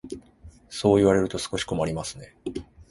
そう言われると少し困りますね。